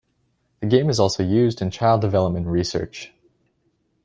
The game is also used in child development research.